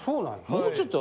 もうちょっと。